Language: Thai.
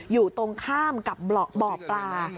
อยู่ตรงข้ามกับบ่อปลา